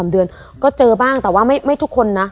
๓เดือนก็เจอบ้างแต่ว่าไม่ทุกคนนะ